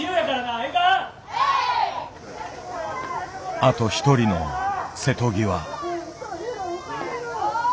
あと１人の瀬戸際。